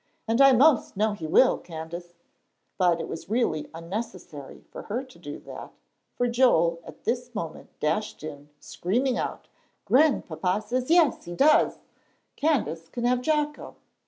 "And I 'most know he will, Candace." But it was really unnecessary for her to do that, for Joel at this moment dashed in, screaming out, "Grandpapa says yes, he does; Candace can have Jocko!"